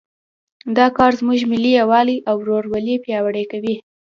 دا کار زموږ ملي یووالی او ورورولي پیاوړی کوي